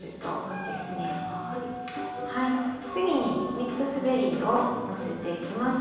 次にミックスベリーをのせていきます。